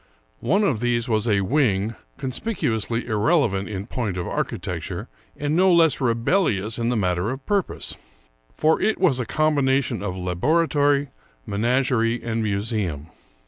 One of these was a '* wing," conspicu ously irrelevant in point of architecture, and no less rebel lious in the matter of purpose; for it was a combination of laboratory, menagerie, and museum.